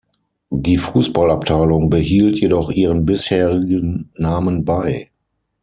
Die Fußballabteilung behielt jedoch ihren bisherigen Namen bei.